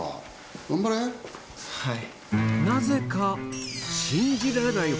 はい。